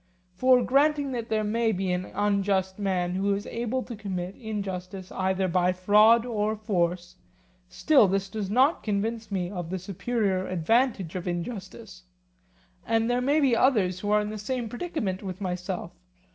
For, granting that there may be an unjust man who is able to commit injustice either by fraud or force, still this does not convince me of the superior advantage of injustice, and there may be others who are in the same predicament with myself.